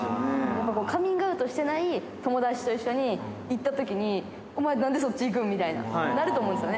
カミングアウトしてない友達と行ったときに、お前、なんでそっち行くん？みたいになると思うんですよね。